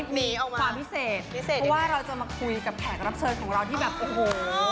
เพราะว่าเราจะมาคุยกับแขกรับเชิญของเราที่แบบโอ้โห